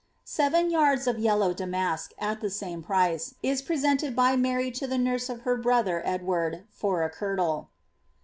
Seven yartis of yellow damask, at the same price, is presented by Maiy tn the nurse of her brother Edward, for a kirtle.